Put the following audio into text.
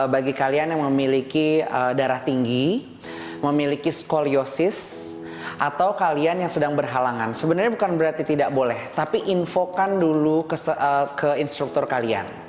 bagi kalian yang memiliki darah tinggi memiliki skoliosis atau kalian yang sedang berhalangan sebenarnya bukan berarti tidak boleh tapi infokan dulu ke instruktur kalian